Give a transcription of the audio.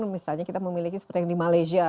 misalnya kita memiliki seperti yang di malaysia